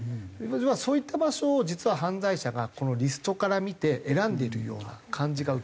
そういった場所を実は犯罪者がリストから見て選んでいるような感じが受ける。